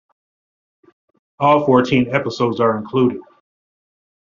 All fourteen episodes are included.